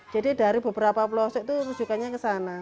jadi dari beberapa pulau sek itu perujukannya ke sana